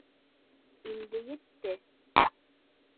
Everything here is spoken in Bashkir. Инде етте.